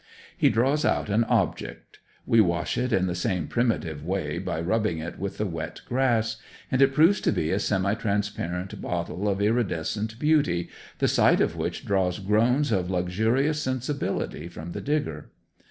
He draws out an object; we wash it in the same primitive way by rubbing it with the wet grass, and it proves to be a semi transparent bottle of iridescent beauty, the sight of which draws groans of luxurious sensibility from the digger.